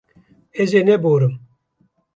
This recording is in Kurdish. Ez ê neborim.